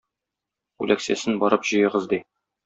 Үләксәсен барып җыегыз! - ди.